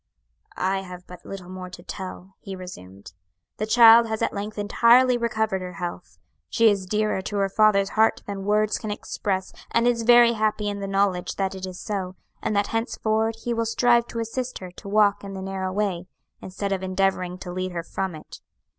"I have but little more to tell," he resumed; "the child has at length entirely recovered her health; she is dearer to her father's heart than words can express, and is very happy in the knowledge that it is so, and that henceforward he will strive to assist her to walk in the narrow way, instead of endeavoring to lead her from it.